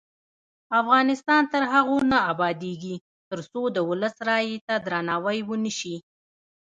افغانستان تر هغو نه ابادیږي، ترڅو د ولس رایې ته درناوی ونشي.